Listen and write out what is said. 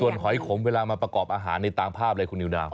ส่วนหอยขมเวลามาประกอบอาหารในตางภาพอะไรคุณนิวดาว